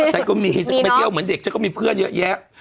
ฉันก็มีฉันก็ไปเที่ยวเหมือนเด็กฉันก็มีเพื่อนเยอะแยะ